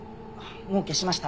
もう消しました。